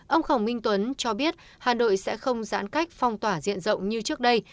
ông khổng minh tuấn cho biết hà nội sẽ không giãn cách phong tỏa diện rộng như trước đây